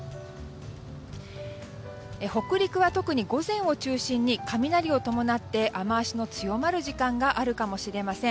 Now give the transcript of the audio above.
北陸は特に午前を中心に雷を伴って雨脚の強まる時間があるかもしれません。